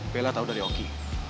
bella tau dari oki